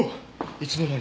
いつの間に。